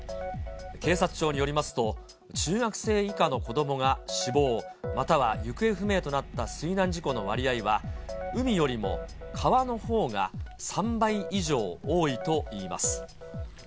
警察庁によりますと、中学生以下の子どもが死亡、または行方不明となった水難事故の割合は、海よりも川のほうが３倍以上多いといいます。